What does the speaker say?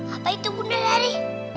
apa itu bunda dari